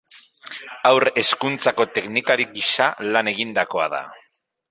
Haur hezkuntzako teknikari gisa lan egindakoa da.